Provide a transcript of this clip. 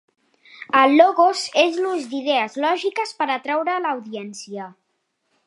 El Logos és l'ús d'idees lògiques per a atreure l'audiència.